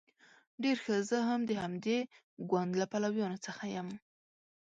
ډیر ښه زه هم د همدې ګوند له پلویانو څخه یم.